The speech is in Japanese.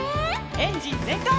エンジンぜんかい！